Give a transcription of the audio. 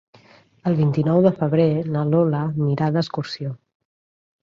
El vint-i-nou de febrer na Lola anirà d'excursió.